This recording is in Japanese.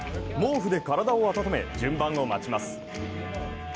毛布で体を温め、順番を待ちます。